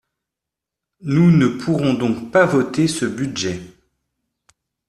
Nous ne pourrons donc pas voter ce budget.